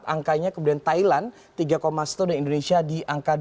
angkanya kemudian thailand tiga satu dan indonesia di angka dua